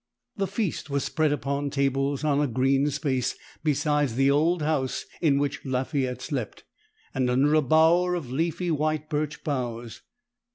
The feast was spread upon tables on a green space beside the old house in which Lafayette slept, and under a bower of leafy white birch boughs.